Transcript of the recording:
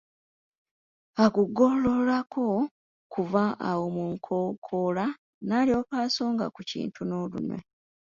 Agugololako kuva awo mu nkokola nalyoka asonga ku kintu n'olunwe.